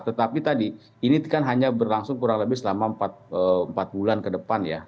tetapi tadi ini kan hanya berlangsung kurang lebih selama empat bulan ke depan ya